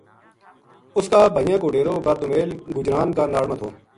اس کا بھائیاں کو ڈیرو بر دومیل گجران کا ناڑ ما تھو